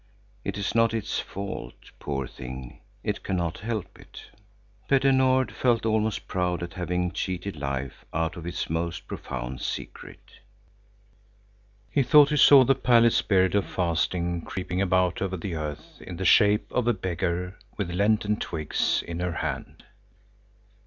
It is not its fault, poor thing, it cannot help it! Petter Nord felt almost proud at having cheated life out of its most profound secret. He thought he saw the pallid Spirit of Fasting creeping about over the earth in the shape of a beggar with Lenten twigs in her hand.